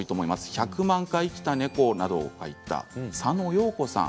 「１００万回生きたねこ」などを描いた佐野洋子さん